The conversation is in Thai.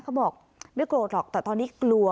เขาบอกไม่โกรธหรอกแต่ตอนนี้กลัว